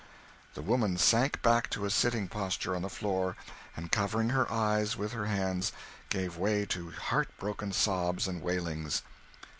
The woman sank back to a sitting posture on the floor, and, covering her eyes with her hands, gave way to heart broken sobs and wailings.